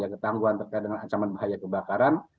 ketangguhan terkait dengan ancaman bahaya kebakaran